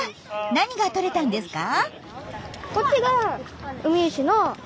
何がとれたんですか？